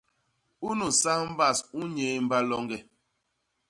Unu nsas mbas u nnyéémba loñge.